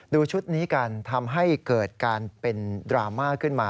ชุดนี้กันทำให้เกิดการเป็นดราม่าขึ้นมา